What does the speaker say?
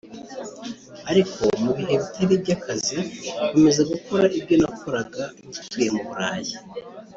Ariko mu bihe bitari iby’akazi nkomeza no gukora ibyo nakoraga ngituye mu Burayi